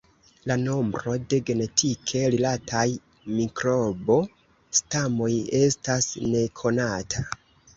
La nombro de genetike rilataj mikrobo-stamoj estas nekonata.